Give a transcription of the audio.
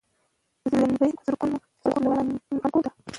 ځلېدنه د زرګونو څراغونو له وړانګو ده.